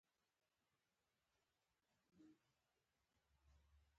احمد په لسم ټولگي کې درې کاله ناکام شو